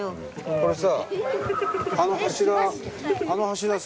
これさ。